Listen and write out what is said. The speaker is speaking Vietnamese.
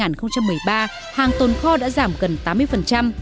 từ năm hai nghìn một mươi ba hàng tôn kho đã giảm gần tám mươi